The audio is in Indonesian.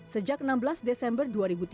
sejak enam belas desember dua ribu tiga